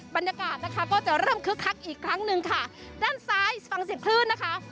บรรยากาศนะคะก็จะเริ่มคึกคักอีกครั้งหนึ่งค่ะด้านซ้ายฟังสิบคลื่นนะคะ